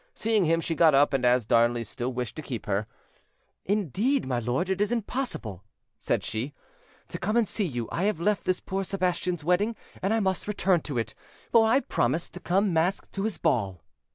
Seeing him, she got up, and as Darnley still wished to keep her— "Indeed, my lord, it is impossible," said she, "to come and see you. I have left this poor Sebastian's wedding, and I must return to it; for I promised to came masked to his ball."